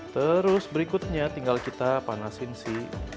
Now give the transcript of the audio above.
terus berikutnya tinggal kita panasin si